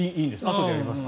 あとでやります。